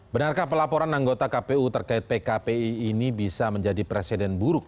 benarkah pelaporan anggota kpu terkait pkpi ini bisa menjadi presiden buruk